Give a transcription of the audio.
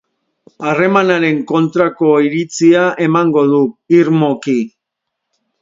Harremanaren kontrako iritzia emango du, irmoki.